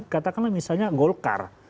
katakanlah misalnya golkar